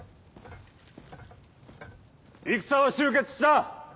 戦は終結した。